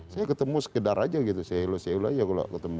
saya ketemu sekedar aja gitu selu selu aja kalau ketemu